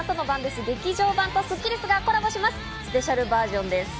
スペシャルバージョンです。